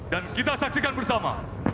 dan kita saksikan bersama